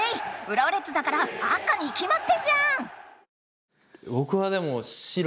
浦和レッズだから赤にきまってんじゃん！